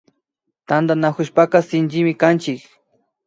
Tantanakushpaka Shinchimi kanchik